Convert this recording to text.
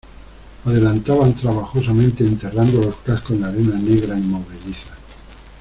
adelantaban trabajosamente enterrando los cascos en la arena negra y movediza.